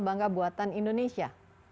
bangga buatan indonesia